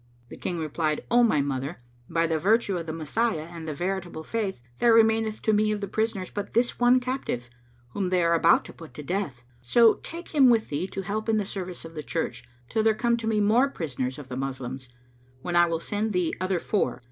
The King replied, "O my mother, by the virtue of the Messiah and the Veritable Faith, there remaineth to me of the prisoners but this one captive, whom they are about to put to death: so take him with thee to help in the service of the church, till there come to me more prisoners of the Moslems, when I will send thee other four.